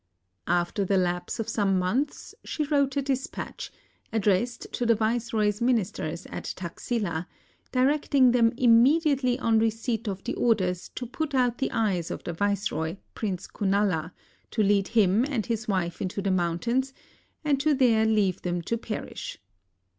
After the lapse of some months she wrote a dispatch, addressed to the viceroy's ministers at Taxila, directing them im mediately on receipt of the orders to put out the eyes of the viceroy, Prince Kunala, to lead him and his wife into the mountains, and to there leave them to perish.